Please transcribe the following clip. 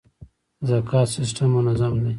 د زکات سیستم منظم دی؟